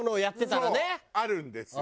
そうあるんですよ。